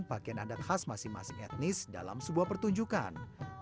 pakaian adat khas masing masing etnis dalam sebuah pertunjukan